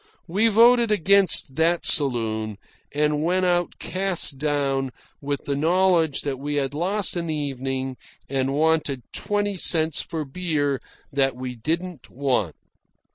We voted against that saloon, and went out cast down with the knowledge that we had lost an evening and wasted twenty cents for beer that we didn't want.